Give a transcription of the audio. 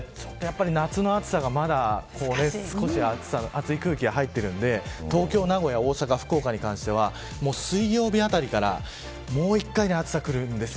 夏の暑さが、まだ少し暑い空気が入ってるんで東京、名古屋、大阪、福岡に関しては水曜日あたりからもう一回、暑さがくるんですよ。